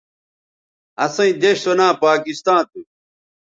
اسئیں دیݜ سو ناں پاکستاں تھو